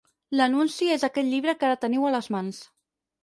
L'anunci és aquest llibre que ara teniu a les mans.